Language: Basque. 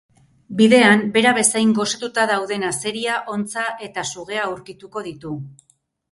Bidean, bera bezain gosetuta dauden azeria, hontza eta sugea aurkituko ditu.